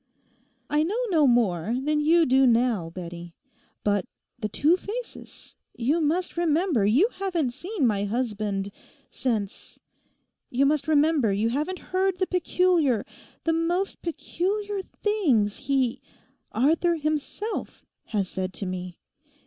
'I know no more than you do now, Bettie. But the two faces—you must remember you haven't seen my husband since.' You must remember you haven't heard the peculiar—the most peculiar things he—Arthur himself—has said to me.